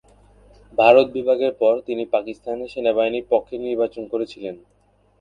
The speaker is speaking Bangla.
ভারত বিভাগের পর তিনি পাকিস্তান সেনাবাহিনীর পক্ষে নির্বাচন করেছিলেন।